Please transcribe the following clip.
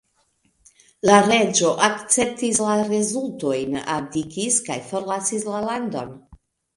La reĝo akceptis la rezultojn, abdikis kaj forlasis la landon.